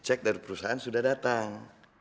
cek dari perusahaan sudah datang